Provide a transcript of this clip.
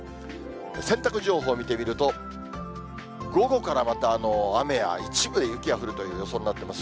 洗濯情報見てみると、午後からまた雨や一部で雪が降るという予想になってます。